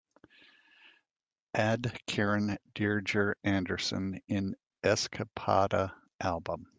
add Karin Dreijer Andersson in Escapada album